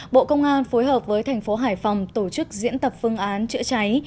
bộ công an phối hợp với thành phố hải phòng tổ chức diễn tập phương án chữa cháy